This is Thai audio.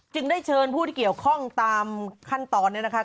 ได้เชิญผู้ที่เกี่ยวข้องตามขั้นตอนเนี่ยนะคะ